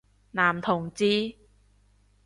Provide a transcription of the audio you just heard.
男同志？